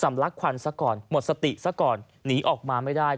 ลักควันซะก่อนหมดสติซะก่อนหนีออกมาไม่ได้